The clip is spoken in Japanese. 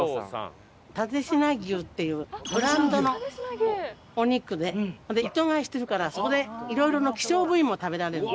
蓼科牛っていうブランドのお肉でそれで一頭買いしてるからそこでいろいろな希少部位も食べられるの。